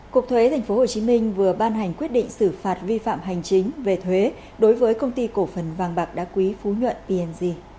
cục thuế tp hcm vừa ban hành quyết định xử phạt vi phạm hành chính về thuế đối với công ty cổ phần vàng bạc đá quý phú nhuận png